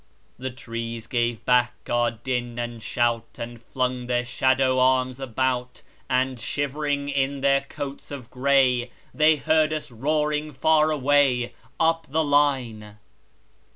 The trees gave back our din and shout, And flung their shadow arms about; And shivering in their coats of gray, They heard us roaring far away, Up the line.